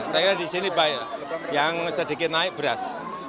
saya kira di sini banyak yang sedikit naik beras